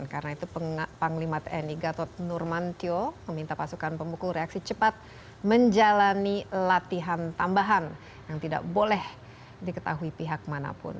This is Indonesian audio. karena itu panglima tni gatot nurmantyo meminta pasukan pemukul reaksi cepat menjalani latihan tambahan yang tidak boleh diketahui pihak manapun